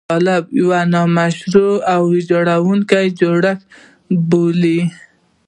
او طالبان یو «نامشروع او ویجاړوونکی جوړښت» بولي